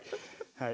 はい。